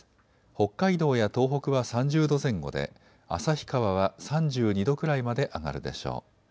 北海道や東北は３０度前後で旭川は３２度ぐらいまで上がるでしょう。